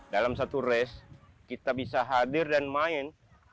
dalam satu race kita bisa hadir dan main